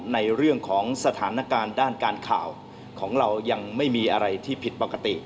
ในเรื่องของสถานการณ์ด้านการข่าวของเรายังไม่มีอะไรที่ผิดปกติ